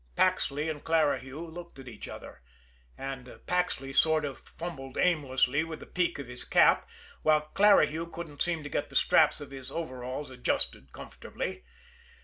Paxley and Clarihue looked at each other. And Paxley sort of fumbled aimlessly with the peak of his cap, while Clarihue couldn't seem to get the straps of his overalls adjusted comfortably.